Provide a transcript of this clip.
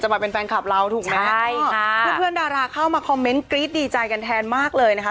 มาเป็นแฟนคลับเราถูกไหมใช่ค่ะเพื่อนดาราเข้ามาคอมเมนต์กรี๊ดดีใจกันแทนมากเลยนะคะ